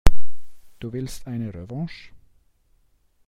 Du willst eine Revanche?